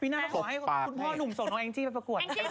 มีน้ำตาขอให้คุณพ่อหนุ่มส่งอังจี้ไปประกวด